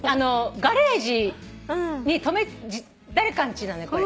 ガレージに誰かんちなのよこれ。